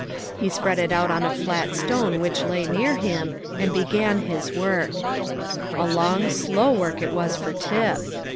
He spread it out on a flat stone which lay near him, and began his work. A long, slow work it was for Tip.